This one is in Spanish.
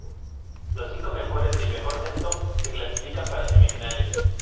Los cinco mejores y el mejor sexto se clasifican para Semifinales.